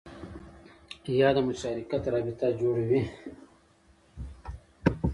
یا د مشارکت رابطه جوړوي